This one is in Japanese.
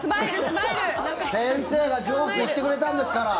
先生がジョークを言ってくれたんですから。